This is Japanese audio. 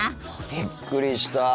びっくりした。